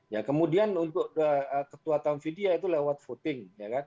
ya kemudian untuk ketua taufidiyah itu lewat voting